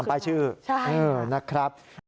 ทำป้ายชื่อนะครับใช่ค่ะใช่ค่ะ